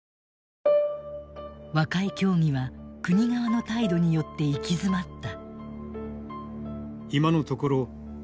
和解協議は国側の態度によって行き詰まった。